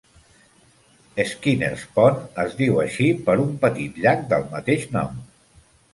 Skinners Pond es diu així per un petit llac del mateix nom.